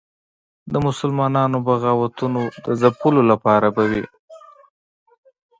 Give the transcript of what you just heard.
د مسلمانانو بغاوتونو د ځپلو لپاره به وي.